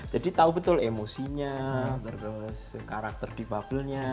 ya tentu emosinya terus karakter divabelnya